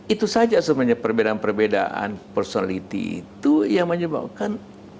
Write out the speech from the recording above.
itu saja sebenarnya perbedaan perbedaan personality itu yang menyebabkan